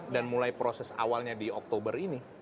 mulai proses awalnya di oktober ini